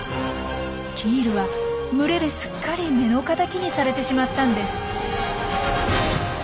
キールは群れですっかり目の敵にされてしまったんです。